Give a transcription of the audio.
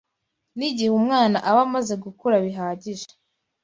N’igihe umwana aba maze gukura bihagije,